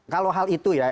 kalau hal itu ya